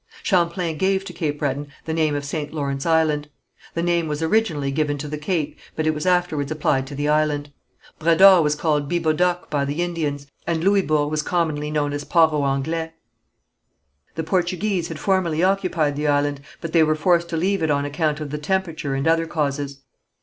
Champlain gave to Cape Breton the name of St. Lawrence Island. The name was originally given to the cape but it was afterwards applied to the island. Bras d'Or was called Bibeaudock by the Indians, and Louisburg was commonly known as Port aux Anglais. The Portuguese had formerly occupied the island, but they were forced to leave it on account of the temperature and other causes.